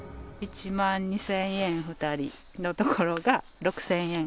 １万２０００円２人のところが、６０００円。